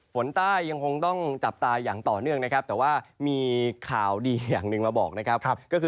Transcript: ฝนใต้ยังคงต้องจับตาอย่างต่อเนื่องแต่ว่ามีข่าวดีอย่างหนึ่งมาบอก